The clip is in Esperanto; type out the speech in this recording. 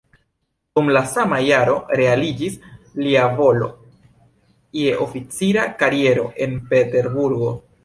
Dum la sama jaro realiĝis lia volo je oficira kariero en Peterburgo.